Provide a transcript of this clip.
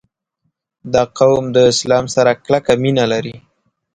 • دا قوم د اسلام سره کلکه مینه لري.